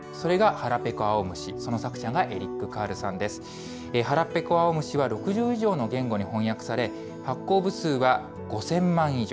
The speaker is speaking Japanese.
はらぺこあおむしは６０以上の言語に翻訳され、発行部数は５０００万以上。